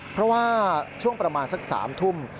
เพราะว่าช่วงประมาณสัก๓ทุ่ม